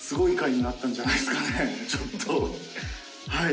ちょっとはい。